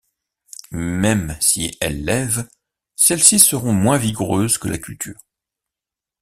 Même si elles lèvent, celle-ci seront moins vigoureuses que la culture.